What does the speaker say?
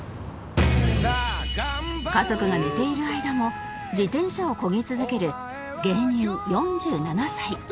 家族が寝ている間も自転車をこぎ続ける芸人４７歳